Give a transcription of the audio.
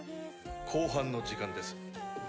公判の時間です。